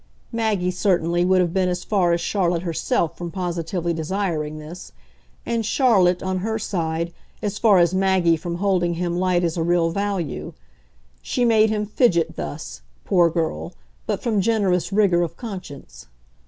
Maggie, certainly, would have been as far as Charlotte herself from positively desiring this, and Charlotte, on her side, as far as Maggie from holding him light as a real value. She made him fidget thus, poor girl, but from generous rigour of conscience.